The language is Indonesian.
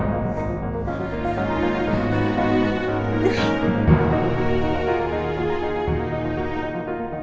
toh jadi gi doctors